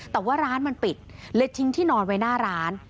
แต่ว่าร้านมันปิดเลยทิ้งที่นอนไว้หน้าร้าน